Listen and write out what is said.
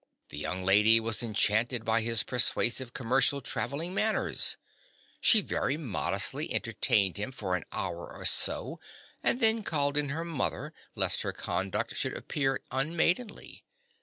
The young lady was enchanted by his persuasive commercial traveller's manners. She very modestly entertained him for an hour or so and then called in her mother lest her conduct should appear unmaidenly.